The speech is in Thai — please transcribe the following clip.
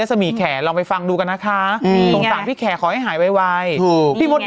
เอาตอนเขาไม่รู้กันก่อนเหรอเถอะ